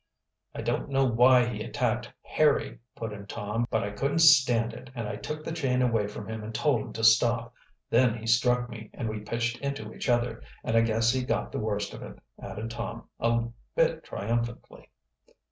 "I don't know why he attacked Harry," put in Tom. "But I couldn't stand it, and I took the chain away from him and told him to stop. Then he struck me, and we pitched into each other and I guess he got the worst of it," added Tom, a bit triumphantly.